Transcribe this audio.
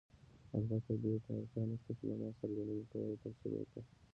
البته دې ته اړتیا نشته چې له ما سره د مینې کولو تمثیل وکړئ.